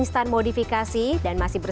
nah apa nama yang kita butuhkan